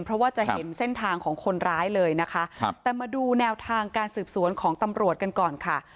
เพราะว่าจะเห็นเส้นทางของคนร้ายเลยนะคะครับแต่มาดูแนวทางการสืบสวนของตำรวจกันก่อนค่ะ